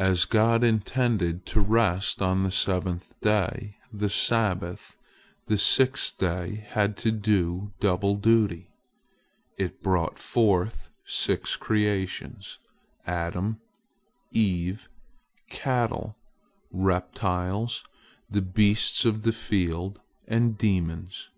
As God intended to rest on the seventh day, the Sabbath, the sixth day had to do double duty. It brought forth six creations: Adam, Eve, cattle, reptiles, the beasts of the field, and demons.